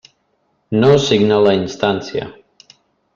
No signa la instància.